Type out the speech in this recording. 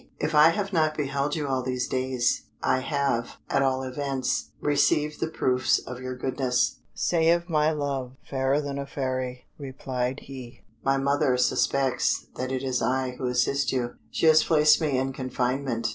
"If I have not beheld you all these days, I have, at all events, received the proofs of your goodness." "Say of my love, Fairer than a Fairy," replied he. "My mother suspects that it is I who assist you: she has placed me in confinement.